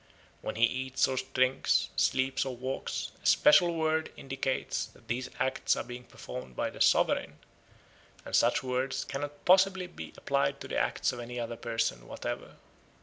When he eats or drinks, sleeps or walks, a special word indicates that these acts are being performed by the sovereign, and such words cannot possibly be applied to the acts of any other person whatever.